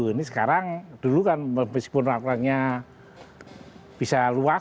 ini sekarang dulu kan meskipun laporannya bisa luas